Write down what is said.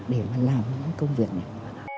để mà làm những công việc này